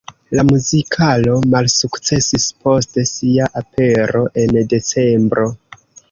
La muzikalo malsukcesis post sia apero en decembro.